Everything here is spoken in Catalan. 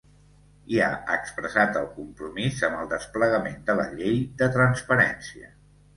I ha expressat el compromís amb el desplegament de la llei de transparència.